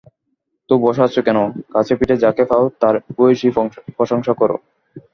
তো বসে আছো কেন, কাছেপিঠে যাকেই পাও, তার ভূয়সী প্রশংসা করো।